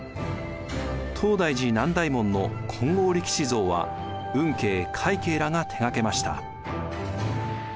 東大寺南大門の金剛力士像は運慶快慶らが手がけました。